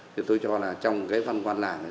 thì tôi cho là trong cái văn quan làng này